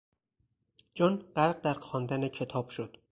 جان غرق در خواندن کتاب شد.